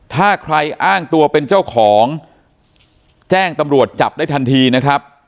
ถ้าใครอ้างตัวเป็นเจ้าของแจ้งตำรวจจับได้ทันทีนะครับ